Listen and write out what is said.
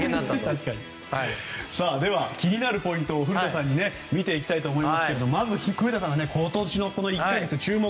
気になるポイントを古田さんと見ていきたいと思いますが今年の１か月の注目